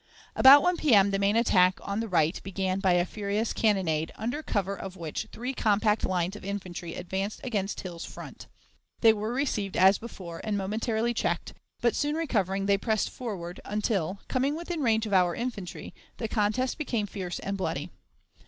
About 1 P.M., the main attack on the right began by a furious cannonade, under cover of which three compact lines of infantry advanced against Hill's front. They were received as before and momentarily checked, but, soon recovering, they pressed forward, until, coming within range of our infantry, the contest became fierce and bloody.